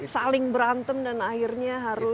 saling berantem dan akhirnya harus